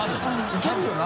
いけるよな？